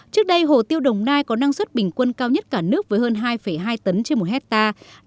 trước đây hồ tiêu đồng nai có năng suất bình quân cao nhất cả nước với hơn hai hai tấn trên một hectare